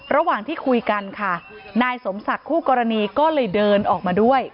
ระหว่างที่คุยกันค่ะนายสมศักดิ์คู่กรณีก็เลยเดินออกมาด้วย